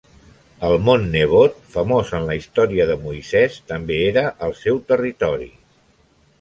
El mont Nebot, famós en la història de Moisès, també era al seu territori.